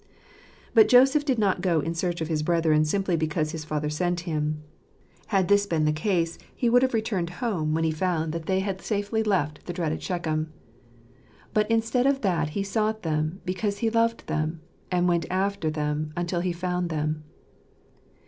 But Joseph did not go in search of his brethren simply because his father sent him. Had this been the case, he would have returned home when he found that they had * pinn Kheurbn : Associating, joining together. 22 mje $tL safely left the dreaded Shechem. But instead of that he sought them, because he loved them, and went after them until he found them.